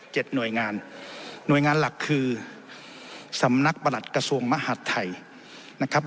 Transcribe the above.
หน่วยงานหน่วยงานหลักคือสำนักประหลัดกระทรวงมหาดไทยนะครับ